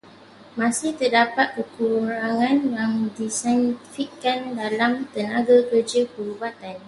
Masih terdapat kekurangan yang signifikan dalam tenaga kerja perubatan.